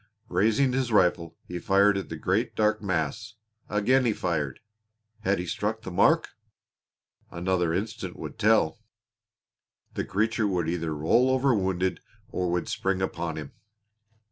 Raising his rifle, he fired at the great dark mass. Again he fired! Had he struck the mark? Another instant would tell. The creature would either roll over wounded, or would spring upon him.